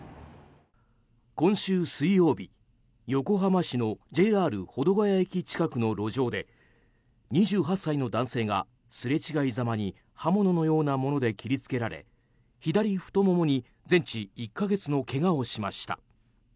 今週水曜日、横浜市のＪＲ保土ケ谷駅近くの路上で２８歳の男性がすれ違いざまに刃物のようなもので切りつけられ左太ももに全治１か月のけがをしました。